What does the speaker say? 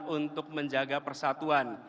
untuk menjaga persatuan